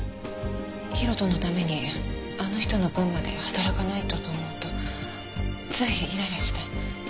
大翔のためにあの人の分まで働かないとと思うとついイライラして。